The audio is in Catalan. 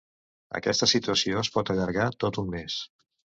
Aquesta situació es pot allargar tot un mes.